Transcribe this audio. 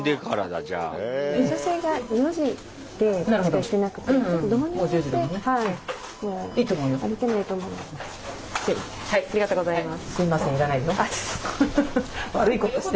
ありがとうございます。